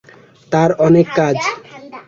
তাঁর অনেক কাজ।